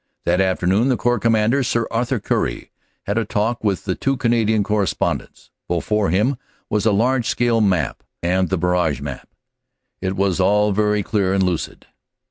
That afternoon the Corps Commander, Sir Arthur Currie, had a talk with the two Canadian corres pondents. Before him was a large scale map and the barrage map. It was all very clear and lucid.